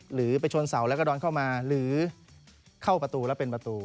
หรือไปชนเสาแล้วก็ดอนเข้ามาหรือเข้าประตูแล้วเป็นประตู